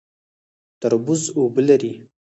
تربوز اوبه لري